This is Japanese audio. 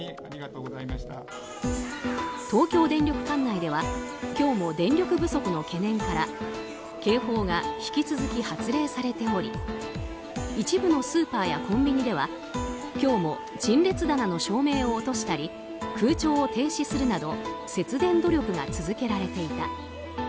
管内では今日も電力不足の懸念から警報が引き続き発令されており一部のスーパーやコンビニでは今日も陳列棚の照明を落としたり空調を停止するなど節電努力が続けられていた。